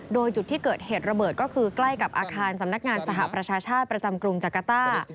โดยจุดที่เกิดเหตุระเบิดก็คือใกล้กับอาคารสำนักงานสหประชาชาติประจำกรุงจักรต้า